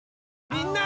みんな！